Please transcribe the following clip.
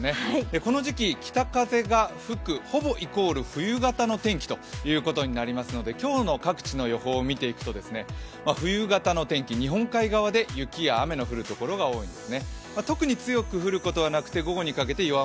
この時期、北風が吹くほぼイコール冬型の天気ということになりますので今日の各地の予報を見ていくと冬型の天気、日本海側で雪や雨の降るところが多いんです。